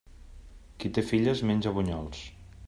Qui té filles menja bunyols.